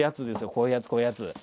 こういうやつこういうやつ。